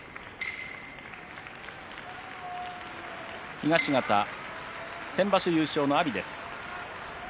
東方先場所優勝の阿炎です。